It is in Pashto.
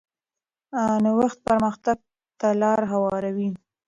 نوښت پرمختګ ته لار هواروي.